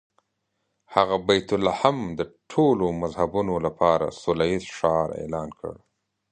هغه بیت لحم د ټولو مذهبونو لپاره سوله ییز ښار اعلان کړ.